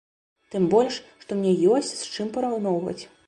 Тым больш, што мне ёсць з чым параўноўваць.